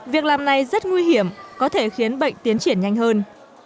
việc làm này rất nguy hiểm có thể khiến bệnh tiến triển nhanh hơn